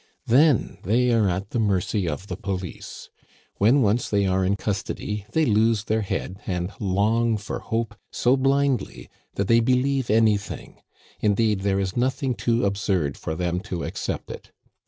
Then they are at the mercy of the police. When once they are in custody they lose their head, and long for hope so blindly that they believe anything; indeed, there is nothing too absurd for them to accept it.